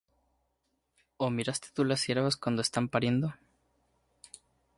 ¿O miraste tú las ciervas cuando están pariendo?